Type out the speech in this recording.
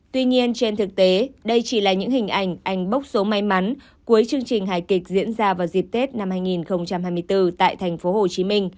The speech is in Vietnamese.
tuy nhiên trên thực tế đây chỉ là những hình ảnh anh bốc số may mắn cuối chương trình hài kịch diễn ra vào dịp tết năm hai nghìn hai mươi bốn tại tp hcm